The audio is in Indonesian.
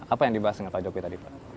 apa yang dibahas dengan pak jokowi tadi pak